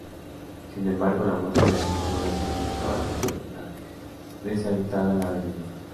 Sin embargo, la muerte del esposo de Eugenia acabaría por dejar deshabitada la vivienda.